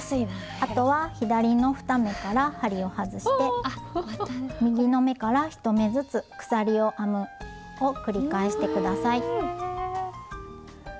あとは左の２目から針を外して右の目から１目ずつ鎖を編むを繰り返して下さい。